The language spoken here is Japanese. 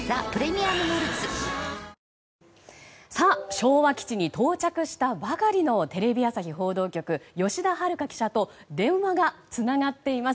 昭和基地に到着したばかりのテレビ朝日報道局、吉田遥記者と電話がつながっています。